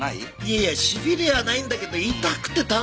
いやしびれはないんだけど痛くてたまらんよ！